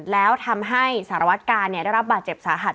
แล้วทำให้สารวัตกาลได้รับบาดเจ็บสาหัส